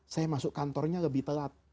saya masuk kantornya lebih telat